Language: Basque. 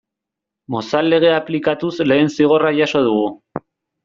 Mozal Legea aplikatuz lehen zigorra jaso dugu.